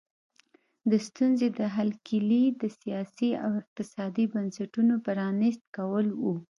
د ستونزې د حل کیلي د سیاسي او اقتصادي بنسټونو پرانیست کول وو.